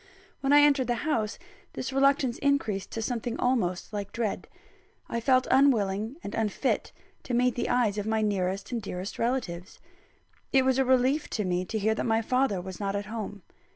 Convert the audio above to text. When I entered the house, this reluctance increased to something almost like dread. I felt unwilling and unfit to meet the eyes of my nearest and dearest relatives. It was a relief to me to hear that my father was not at home.